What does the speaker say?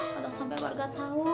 tadah sampai warga tahu